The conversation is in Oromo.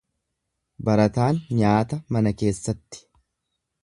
Barataan nyaata mana keessatti.